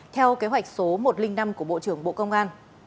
theo kế hoạch số một trăm linh năm của bộ trưởng bộ công an